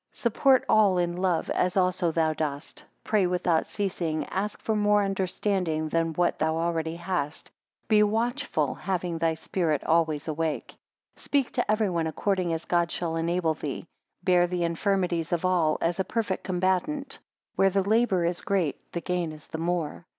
5 Support all in love, as also thou dost. Pray without ceasing ask more understanding than what thou already hast. Be watchful, having thy spirit always awake. 6 Speak to every one according as God shall enable thee. Bear the infirmities of all, as a perfect combatant; where the labour is great, the gain is the more.